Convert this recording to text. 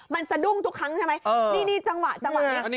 มันสะดุ้งทุกครั้งใช่ไหมนี่จังหวะจังหวะนี้